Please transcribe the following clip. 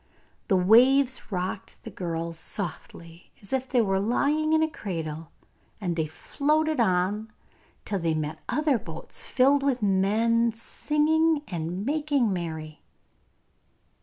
The waves rocked the girls softly, as if they were lying in a cradle, and they floated on till they met other boats filled with men, singing and making merry.